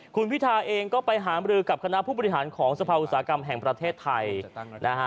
คุณพิทาเองก็ไปหามรือกับคณะผู้บริหารของสภาอุตสาหกรรมแห่งประเทศไทยนะฮะ